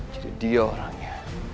jadi dia orangnya